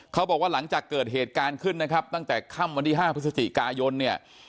เขาบอกว่าหลังจากเกิดเหตุการณ์ขึ้นนะครับตั้งแต่ค่ำวันที่๕พฤศจิกายนเนี่ย